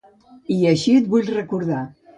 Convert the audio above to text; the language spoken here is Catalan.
I així et vull recordar.